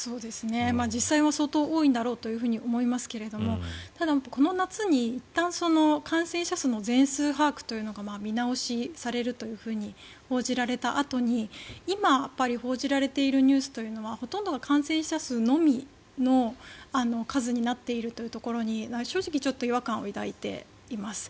実際は相当多いんだろうと思いますがただ、この夏にいったん感染者数の全数把握というのが見直しされると報じられたあとに今、報じられているニュースというのはほとんどが感染者数のみの数になっているというところに正直ちょっと違和感を抱いています。